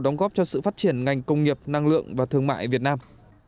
đóng góp cho sự phát triển ngành công nghiệp năng lượng và thương mại việt nam